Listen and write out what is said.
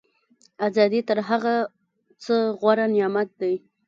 ازادي تر هر څه غوره نعمت دی.